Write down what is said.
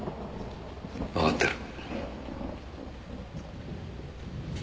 わかってる。